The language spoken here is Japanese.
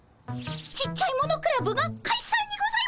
ちっちゃいものクラブがかいさんにございますか？